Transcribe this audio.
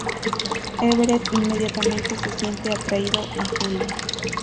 Everett inmediatamente se siente atraído a Julie.